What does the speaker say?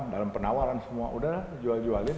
dalam penawaran semua udah jual jualin